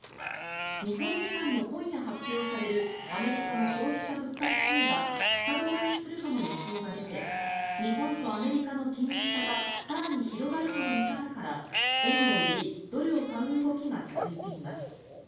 日本時間の今夜発表されるアメリカの消費者物価指数が高止まりするとの予想が出て日本とアメリカの金利差が更に広がるとの見方から円を売り、ドルを買う動きが続いています。